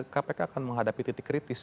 kpk akan menghadapi titik kritis